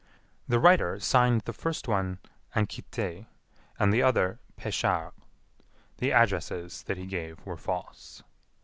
The writer signed the first one, "Anquety"; and the other, "Péchard." The addresses that he gave were false.